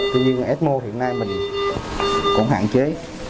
tuy nhiên ecmo hiện nay mình cũng hạn chế